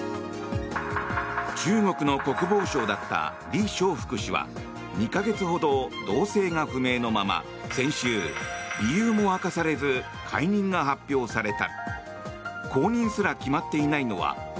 中国の国防相だったリ・ショウフク氏は２か月ほど動静が不明のまま先週、理由も明かされず解任が発表された。